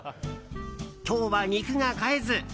今日は肉が買えず！